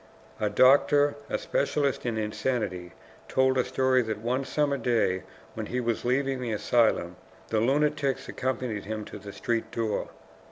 A doctor, a specialist in insanity, told a story that one summer day when he was leaving the asylum, the lunatics accompanied him to the street door.